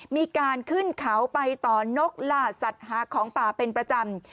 มีการขึ้นเขาไปต่อนกล่าสัตว์หาของป่าเป็นประจำ